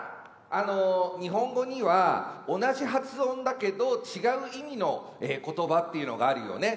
あの日本語には同じ発音だけど違う意味の言葉っていうのがあるよね。